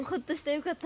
よかった。